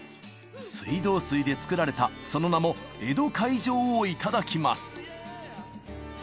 水道水で造られたその名も江戸開城をいただきます